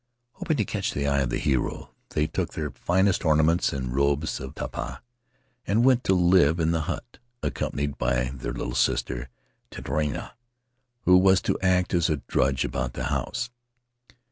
Hoping to catch the eye of the hero, they took their finest ornaments and robes of tapa and went to live in the hut, accompanied At the House of Tari by their little sister, Titiara, who was to act as a drudge about the house.